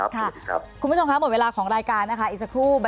ครับขอบคุณครับคุณสอบขวัญครับสวัสดีครับ